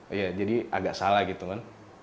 iya jadi agak salah gitu kan